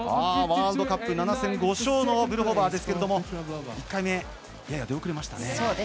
ワールドカップ７戦５勝のブルホバーですけれども１回目、やや出遅れました。